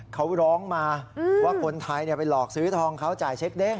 เขาร้องมาว่าคนไทยไปหลอกซื้อทองเขาจ่ายเช็คเด้ง